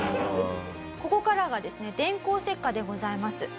ここからがですね電光石火でございます。